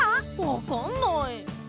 わかんない！